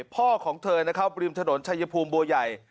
ของเธอนะครับริมถนนชายภูมิบัวใหญ่